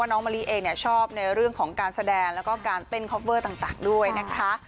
น้องมะลิเองเนี่ยชอบในเรื่องของการแสดงแล้วก็การเต้นคอฟเวอร์ต่างด้วยนะคะ